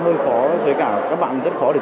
thời gian học online kéo dài